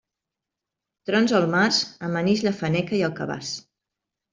Trons al març, amanix la faneca i el cabàs.